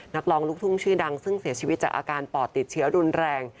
นักร้องลูกทุ่งชื่อดังซึ่งเสียชีวิตจากอาการปอดติดเชื้อรุนแรง